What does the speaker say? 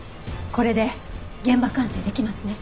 これで現場鑑定できますね。